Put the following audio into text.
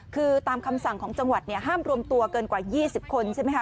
คือตามคำสั่งของจังหวัดเนี่ยห้ามรวมตัวเกินกว่า๒๐คนใช่ไหมคะ